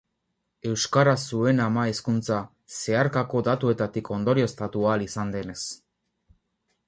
Euskara zuen ama-hizkuntza, zeharkako datuetatik ondorioztatu ahal izan denez.